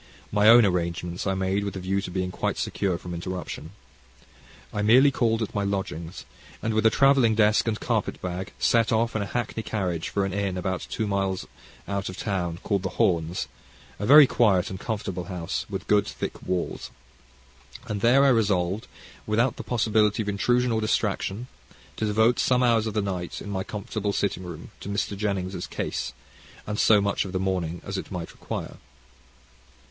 My own arrangements I made with a view to being quite secure from interruption. I merely called at my lodgings, and with a travelling desk and carpet bag, set off in a hackney carriage for an inn about two miles out of town, called "The Horns," a very quiet and comfortable house, with good thick walls. And there I resolved, without the possibility of intrusion or distraction, to devote some hours of the night, in my comfortable sitting room, to Mr. Jennings' case, and so much of the morning as it might require.